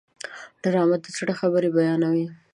ډرامه د زړه خبرې بیانوي